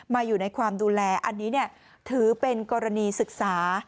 อยู่ในความดูแลอันนี้ถือเป็นกรณีศึกษา